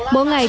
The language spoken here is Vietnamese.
bố ngày cơm